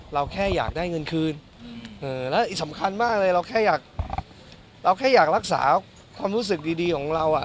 เราแค่อยากได้เงินคืนและสำคัญมากเลยเราแค่อยากรักษาความรู้สึกดีของเรา